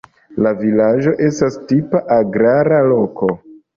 La vilaĝo estas tipa agrara loko.